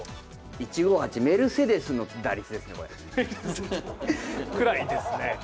１５８メルセデスの打率ですね、これ。